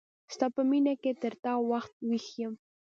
ستا په مینه کی تر دا وخت ویښ یم